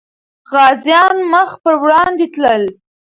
غازيان مخ پر وړاندې تلل.